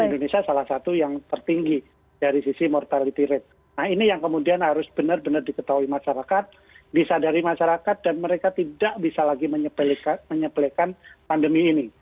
dan indonesia salah satu yang tertinggi dari sisi mortality rate nah ini yang kemudian harus benar benar diketahui masyarakat disadari masyarakat dan mereka tidak bisa lagi menyepelekan pandemi ini